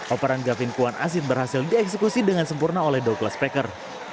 operan gavin kwan asin berhasil dieksekusi dengan sempurna oleh dua kelas peker